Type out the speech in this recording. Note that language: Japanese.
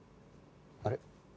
あれ？